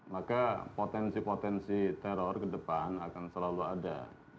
maka potensi potensi teror ke depan akan selalu ada